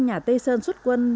nhà tây sơn xuất quân